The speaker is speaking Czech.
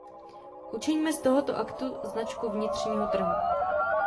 Učiňme z tohoto aktu značku vnitřního trhu!